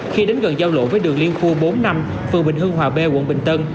khi đến gần giao lộ với đường liên khu bốn năm phường bình hương hòa b quận bình tân